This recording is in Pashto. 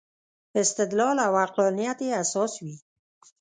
استدلال او عقلانیت یې اساس وي.